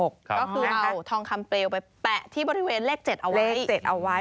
ก็คือเอาทองคำเปลวไปแปะที่บริเวณเลข๗เอาไว้เลข๗เอาไว้